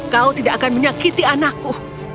kau tidak akan menyakiti anakku